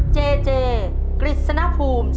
เจเจกฤทธิ์สนภูมิ